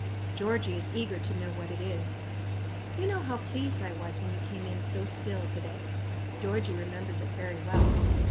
Georgie is eager to know what it is. "You know how pleased I was when you came in so still to day." Georgie remembers it very well.